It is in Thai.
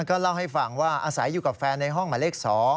ก็เล่าให้ฟังว่าอาศัยอยู่กับแฟนในห้องหมายเลข๒